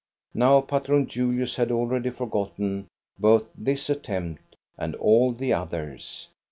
Now Patron Julius had already forgotten both this attempt and all the others.